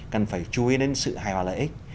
cần phải chú ý đến sự hài hòa lợi ích